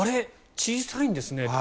小さいんですねって。